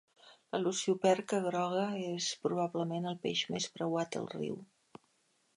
La lucioperca groga és probablement el peix més preuat del riu.